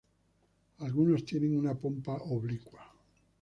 Algunos tienen una popa oblicua.